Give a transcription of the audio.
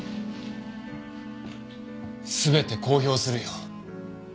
全て公表するよ。